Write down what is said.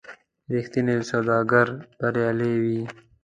رښتینی سوداګر بریالی وي.